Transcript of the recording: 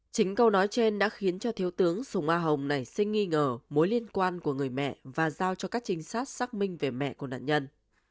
chính câu nói trên đã khiến cho thiếu tướng sùng a hồng nảy sinh nghi ngờ mối liên quan của người mẹ và giao cho các trinh sát xác minh về mẹ của nạn nhân